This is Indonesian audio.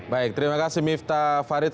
baik terima kasih miftah farid